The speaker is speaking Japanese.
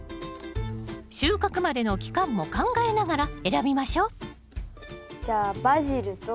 収穫までの期間も考えながら選びましょうじゃあバジルと。